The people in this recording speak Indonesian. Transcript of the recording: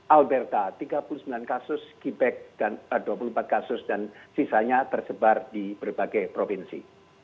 alberta tiga puluh sembilan kasus keyback dua puluh empat kasus dan sisanya tersebar di berbagai provinsi